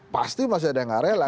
pasti masih ada yang gak rela